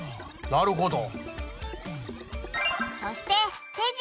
なるほど。